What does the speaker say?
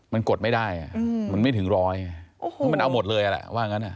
มันกดไม่ได้มันไม่ถึงร้อยเพราะมันเอาหมดเลยแหละว่างั้นอ่ะ